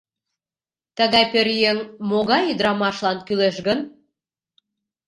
Тыгай пӧръеҥ могай ӱдырамашлан кӱлеш гын?..